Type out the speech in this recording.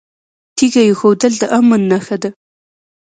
تیږه ایښودل د امن نښه ده